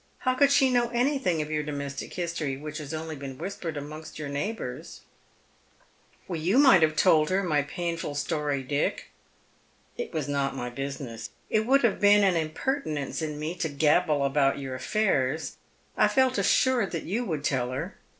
How should she know anything of four domestic history^ which has only been whispered amongst your neighbours ?"" You might have told her my painful story, Dick." " It was not my business. It would have been an impertinence in me to gabble about your affairs. I felt assured that you would tell her."